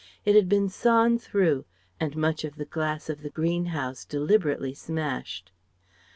It had been sawn through, and much of the glass of the greenhouse deliberately smashed.